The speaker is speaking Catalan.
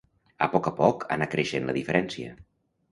A poc a poc anà creixent la diferència.